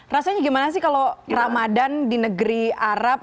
rasanya gimana sih kalau ramadan di negeri arab